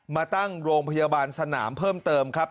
มาตั้งโรงพยาบาลสนามเพิ่มเติมครับ